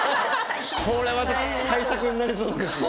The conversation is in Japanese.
これは大作になりそうですね。